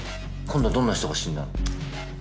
今度はどんな人が死んだの？